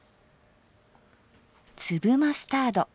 粒マスタード。